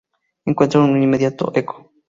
Encuentra un inmediato eco.